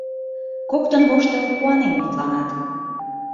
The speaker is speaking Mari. Коктын воштыл, куанен мутланат.